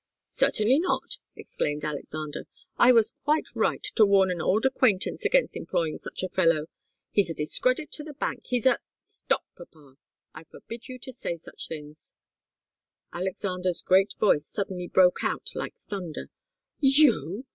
"Certainly not!" exclaimed Alexander. "I was quite right to warn an old acquaintance against employing such a fellow. He's a discredit to the bank, he's a " "Stop, papa! I forbid you to say such things " Alexander's great voice suddenly broke out like thunder. "You!